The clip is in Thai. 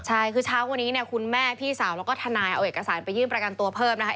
ใช่คือเช้าวันนี้เนี่ยคุณแม่พี่สาวแล้วก็ทนายเอาเอกสารไปยื่นประกันตัวเพิ่มนะคะ